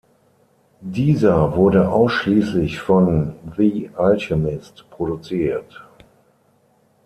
Dieser wurde ausschließlich von The Alchemist produziert.